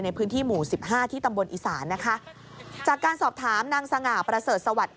ในพื้นที่หมู่สิบห้าที่ตำบลอีสานนะคะจากการสอบถามนางสง่าประเสริฐสวัสดิ